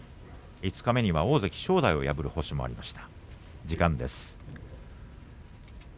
五日目には大関正代を破りました。